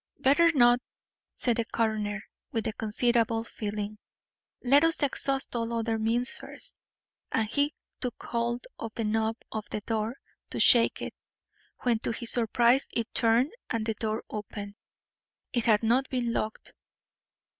"Better not," said the coroner, with considerable feeling. "Let us exhaust all other means first." And he took hold of the knob of the door to shake it, when to his surprise it turned and the door opened. It had not been locked.